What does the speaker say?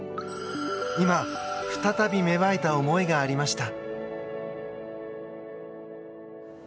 今、再び芽生えた思いがありました。